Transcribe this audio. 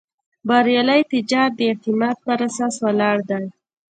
بریالی تجارت د اعتماد پر اساس ولاړ دی.